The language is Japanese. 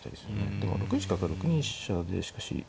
でも６一角は６二飛車でしかし。